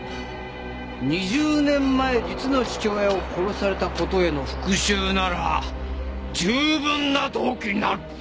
２０年前実の父親を殺された事への復讐なら十分な動機になる！